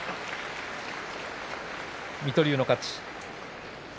水戸龍の勝ちです。